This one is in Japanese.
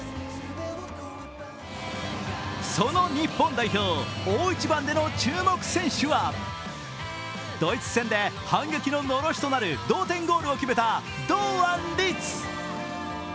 その日本代表、大一番での注目選手は、ドイツ戦で反撃ののろしとなる同点ゴールを決めた堂安律。